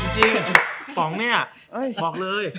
จริงปองเนี่ยปองเลย